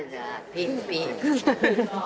ピンピン。